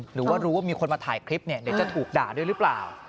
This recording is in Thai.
หรือว่ารู้ว่ามีคนมาถ่ายคลิปเนี่ยเดี๋ยวจะถูกด่าด้วยหรือเปล่า